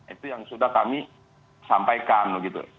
itu yang sudah kami sampaikan begitu